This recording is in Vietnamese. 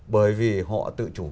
bởi vì họ tự chủ